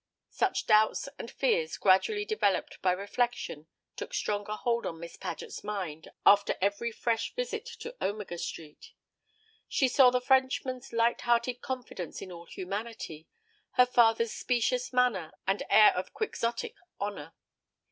Such doubts and fears, gradually developed by reflection took stronger hold on Miss Paget's mind after every fresh visit to Omega Street. She saw the Frenchman's light hearted confidence in all humanity, her father's specious manner and air of quixotic honour.